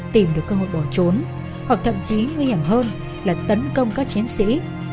tìm được cơ hội bỏ trốn hoặc thậm chí nguy hiểm hơn là tấn công các chiến sĩ